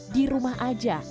di rumah aja